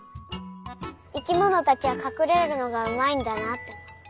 生きものたちはかくれるのがうまいんだなとおもった。